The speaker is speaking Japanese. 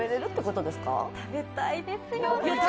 食べたいですよね。